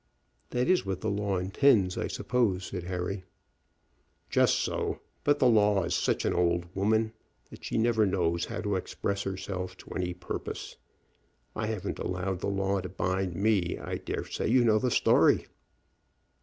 "That is what the law intends, I suppose," said Harry. "Just so; but the law is such an old woman that she never knows how to express herself to any purpose. I haven't allowed the law to bind me. I dare say you know the story."